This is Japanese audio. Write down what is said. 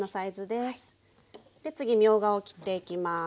で次みょうがを切っていきます。